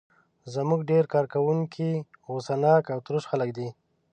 زموږ ډېر کارکوونکي غوسه ناک او تروش خلک دي.